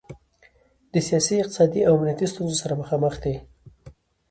د سیاسي، اقتصادي او امنیتي ستونخو سره مخامخ دی.